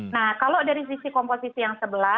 nah kalau dari sisi komposisi yang sebelah